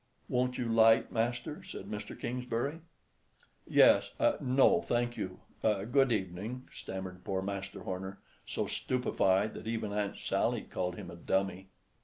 "Won't you 'light, Master?" said Mr. Kingsbury. "Yes—no—thank you—good evening," stammered poor Master Horner, so stupefied that even Aunt Sally called him "a dummy."